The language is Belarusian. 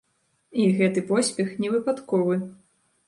І гэты поспех невыпадковы.